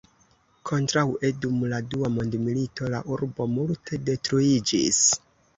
Kontraŭe dum la dua mondmilito la urbo multe detruiĝis.